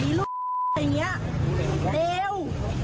มีลูกอย่างนี้เอว